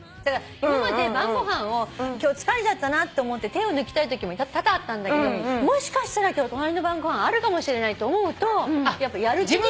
今まで晩ご飯を「今日疲れちゃったな」と思って手を抜きたいときも多々あったんだけどもしかしたら今日『隣の晩ごはん』あるかもしれないと思うとやっぱやる気にも。